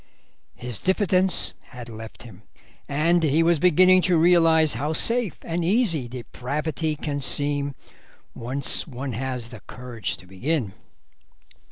His diffidence had left him, and he was beginning to realise how safe and easy depravity can seem once one has the courage to begin.